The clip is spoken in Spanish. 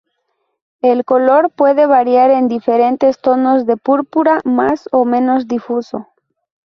El color puede variar en diferentes tonos de púrpura, más o menos difuso.